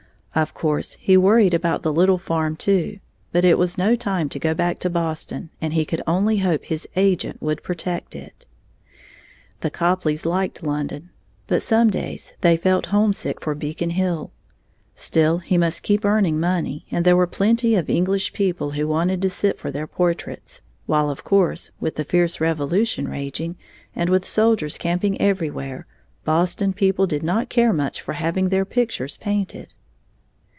Of course he worried about the "little farm" too, but it was no time to go back to Boston, and he could only hope his agent would protect it. The Copleys liked London, but some days they felt homesick for Beacon Hill. Still he must keep earning money, and there were plenty of English people who wanted to sit for their portraits, while of course, with the fierce Revolution raging, and with soldiers camping everywhere, Boston people did not care much about having their pictures painted.